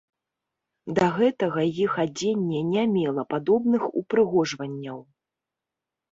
Да гэтага іх адзенне не мела падобных упрыгожванняў.